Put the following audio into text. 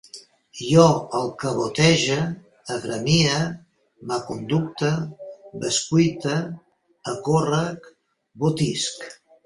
Jo alcavotege, agremie, m'aconducte, bescuite, acórrec, botisc